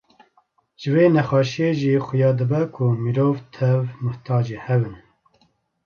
Ji vê nexweşiyê jî xuya dibe ku mirov tev mihtacê hev in.